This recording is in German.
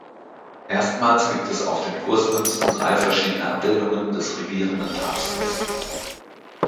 Erstmals gibt es auf den Kursmünzen drei verschiedene Abbildungen des regierenden Papstes.